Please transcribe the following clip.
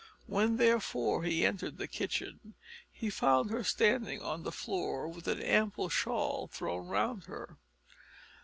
When, therefore, he entered the kitchen, he found her standing on the floor with an ample shawl thrown round her.